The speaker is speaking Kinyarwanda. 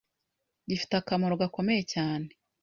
gifite akamaro gakomeye cyane